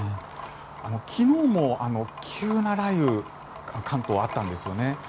昨日も急な雷雨が関東であったんですよね。